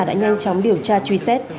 đã nhanh chóng điều tra truy xét